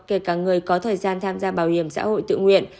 kể cả người có thời gian tham gia bảo hiểm xã hội tự nguyện